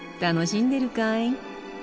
楽しんでるかい？